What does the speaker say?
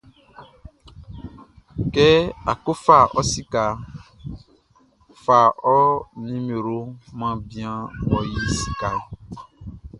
Kɛ á kɔ́ fa ɔ sikaʼn, fa ɔ nimeroʼn man bian ngʼɔ yi sikaʼn.